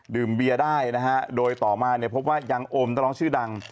เบียร์ได้นะฮะโดยต่อมาเนี่ยพบว่ายังโอมนักร้องชื่อดัง